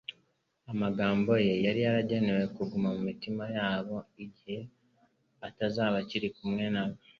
Amagambo ye yari yaragenewe kuguma mu mitima yabo, igihe atazaba akiri kumwe nabo.